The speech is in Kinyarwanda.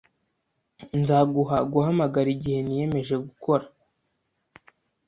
Nzaguha guhamagara igihe niyemeje gukora